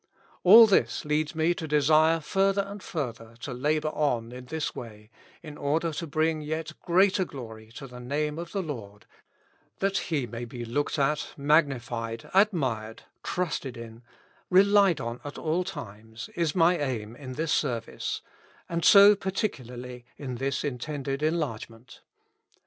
All this leads me to desire further and further to labor on in this way, in order to bring yet greater glory to the Name of the L,ord That He 7nay be looked at ^ magnified, admired, trusted in, relied on at all times, is my aim in this service ; and so particularly in this intended enlargement.